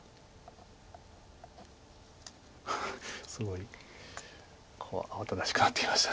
すごい慌ただしくなってきました。